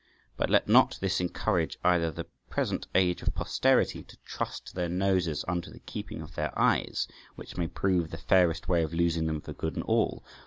But let not this encourage either the present age of posterity to trust their noses unto the keeping of their eyes, which may prove the fairest way of losing them for good and all.